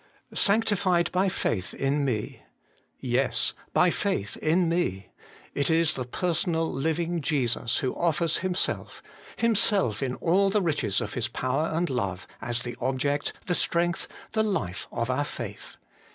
' Sanctified by faith in me.' Yes, ' by faith in Me :' it is the personal living Jesus who offers Himself, Himself in all the riches of His Power and Love, as the object, the strength, the life of our faith.